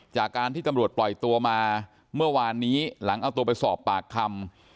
จากการที่ตำรวจปล่อยตัวมาเมื่อวานนี้หลังเอาตัวไปสอบปากคำ